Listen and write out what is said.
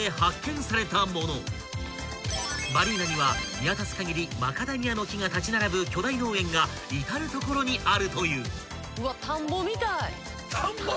［バリーナには見渡す限りマカダミアの木が立ち並ぶ巨大農園が至る所にあるという］